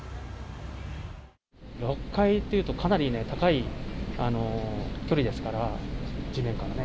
６階っていうとかなり高い距離ですから、地面からね。